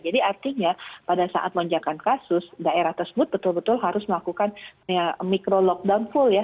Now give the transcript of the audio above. artinya pada saat lonjakan kasus daerah tersebut betul betul harus melakukan micro lockdown full ya